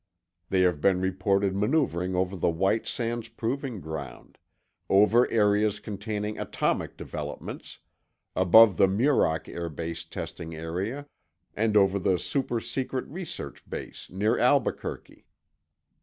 They have been reported maneuvering over the White Sands Proving Ground, over areas containing atomic developments, above the Muroc Air Base testing area, and over the super secret research base near Albuquerque.